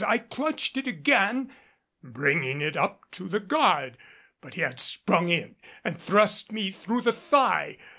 I clutched it again, bringing it up to the guard. But he had sprung in and thrust me through the thigh.